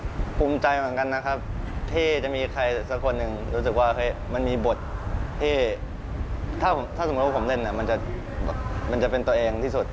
ก็ภูมิใจเหมือนกันนะครับที่จะมีใครสักคนหนึ่งรู้สึกว่ามันมีบทที่ถ้าสมมุติว่าผมเล่นมันจะเป็นตัวเองที่สุด